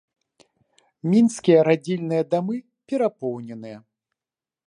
Мінскія радзільныя дамы перапоўненыя.